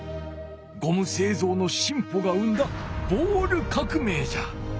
ゴムせいぞうのしん歩が生んだボール革命じゃ。